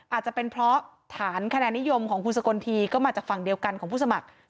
อาจจะเป็นเพราะฐานคะแนนนิยมของคุณสกลทีก็มาจากฝั่งเดียวกันของผู้สมัคร